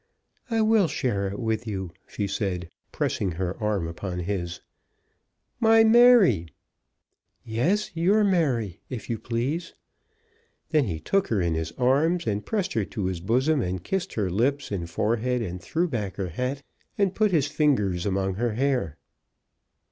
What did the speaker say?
"I will share it with you," she said, pressing her arm upon his. "My Mary!" "Yes; your Mary, if you please." Then he took her in his arms, and pressed her to his bosom, and kissed her lips and forehead, and threw back her hat, and put his fingers among her hair.